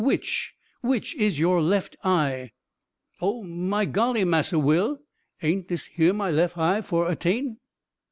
which which is your left eye?" "Oh, my golly, Massa Will! aint dis here my lef eye for attain?"